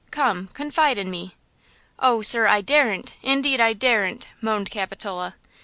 Come, confide in me." "Oh, sir, I daren't! indeed I daren't!" moaned Capitola.